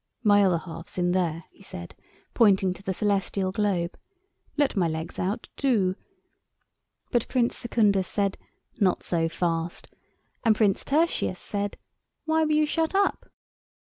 "My other half's in there," he said, pointing to the Celestial globe. "Let my legs out, do——" But Prince Secundus said, "Not so fast," and Prince Tertius said, "Why were you shut up?"